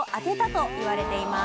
といわれています。